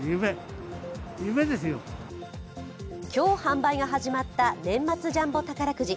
今日販売が始まった年末ジャンボ宝くじ。